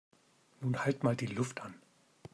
Nun halt mal die Luft an!